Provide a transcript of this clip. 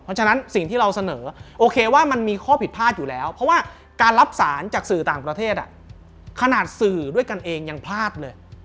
เพราะฉะนั้นสิ่งที่เราเสนอโอเคว่ามันมีข้อผิดพลาดอยู่แล้วเพราะว่าการรับสารจากสื่อต่างประเทศขนาดสื่อด้วยกันเองยังพลาดเลย